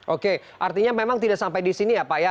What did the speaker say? oke artinya memang tidak sampai di sini ya pak ya